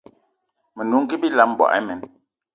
Menungi bilam, mboigi imen